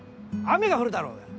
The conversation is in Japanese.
雨が降るだろうが！